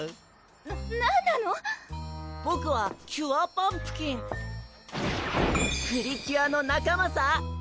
な何なの⁉ボクはキュアパンプキンプリキュアの仲間さ！